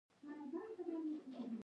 د سفر ستړیا او ګرمۍ یې پرې نه لورېدلې.